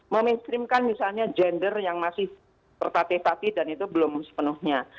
meminstrimkan misalnya gender yang masih tertateh tatih dan itu belum sepenuhnya